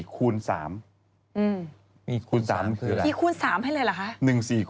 คูณ๓คืออะไรคูณ๓ให้เลยเหรอคะ